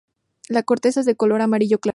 La corteza es de color amarillo claro.